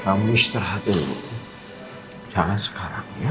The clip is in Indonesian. kamu m jangan sekarang ya